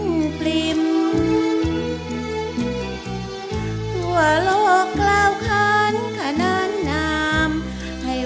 ตัวโลกเล้าขานขนาดน้ำให้หวานด้วยแล้วที่เจ้าใกล้มาพูดถ้าไม่เป็นใคร